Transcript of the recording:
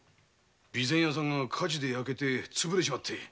備前屋さんが火事で焼けてつぶれちまって。